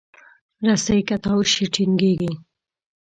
رسۍ که تاو شي، ټینګېږي.